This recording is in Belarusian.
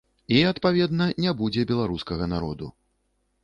І, адпаведна, не будзе беларускага народу.